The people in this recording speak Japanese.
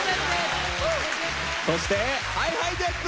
そしてＨｉＨｉＪｅｔｓ！